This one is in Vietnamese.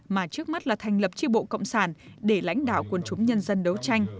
mà trước mắt là thành lập tri bộ cộng sản để lãnh đạo quân chúng nhân dân đấu tranh